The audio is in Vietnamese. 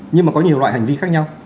nhưng mà có nhiều loại hành vi khác nhau